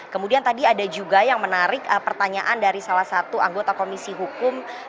kemudian tadi ada juga yang menarik pertanyaan dari salah satu anggota komisi hukum